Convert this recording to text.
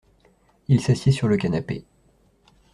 Il s’assied sur le canapé.